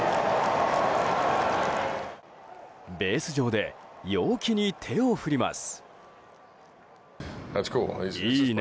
ベース上で陽気に手を振ります。